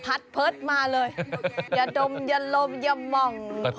พัดเพิศมาเลยอย่าดมอย่าลมอย่ามองพร้อมเลย